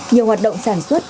nhiều hoạt động sản xuất